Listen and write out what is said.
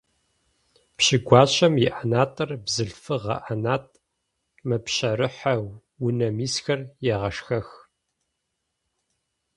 Пщы гуащэм иӏэнатӏэр - бзылъфыгъэ ӏэнатӏ, мэпщэрыхьэ, унэм исхэр егъашхэх.